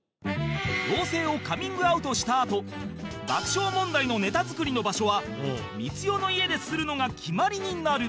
同棲をカミングアウトしたあと爆笑問題のネタ作りの場所は光代の家でするのが決まりになる